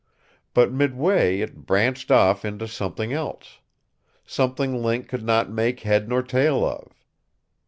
But midway it branched off into something else. Something Link could not make head nor tail of.